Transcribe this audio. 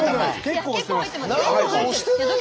結構押してます。